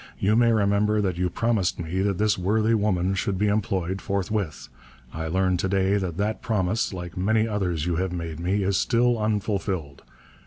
You may remember that you promised me that this worthy woman should be employed forthwith. I learn to day that that promise, like many others you have made me, is still unfulfilled.